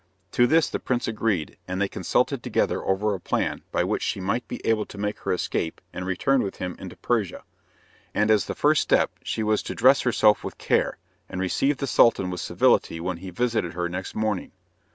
To this the prince agreed, and they consulted together over a plan by which she might be able to make her escape and return with him into Persia. And as the first step, she was to dress herself with care, and receive the Sultan with civility when he visited her next morning.